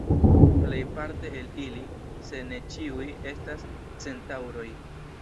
Plejparte el ili, se ne ĉiuj, estas Centaŭroj.